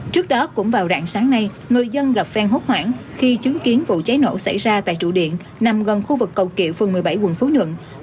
trước đó cũng vào rạng sáng nay người dân gặp phen hốt hoảng khi chứng kiến vụ cháy nổ xảy ra tại trụ điện nằm gần khu vực cầu kiệu phường một mươi bảy quận phú nhuận